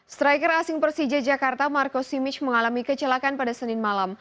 striker asing persija jakarta marco simic mengalami kecelakaan pada senin malam